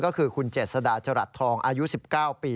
ก็คือคุณเจษฎาจรัสทองอายุ๑๙ปี